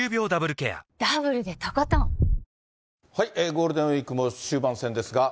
ゴールデンウィークも終盤戦ですが。